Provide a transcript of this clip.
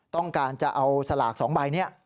ต้องการจะเอาสลาก๒ใบนี้